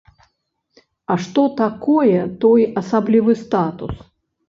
А што такое той асаблівы статус?